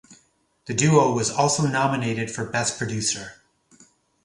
The duo was also nominated for Best producer.